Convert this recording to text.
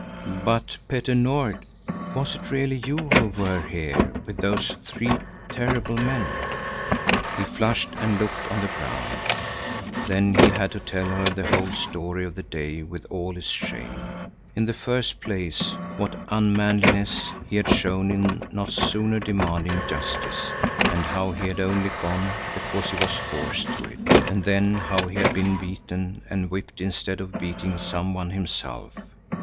"But, Petter Nord, was it really you who were here with those three terrible men?" He flushed and looked on the ground. Then he had to tell her the whole story of the day with all its shame. In the first place, what unmanliness he had shown in not sooner demanding justice, and how he had only gone because he was forced to it, and then how he had been beaten and whipped instead of beating some one himself.